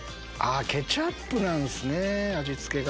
ケチャップなんすね味付けが。